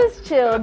ya mari kita tenang